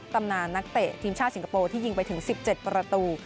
ตำนานนักเตะทีมชาติสิงคโปร์ที่ยิงไปถึง๑๗ประตู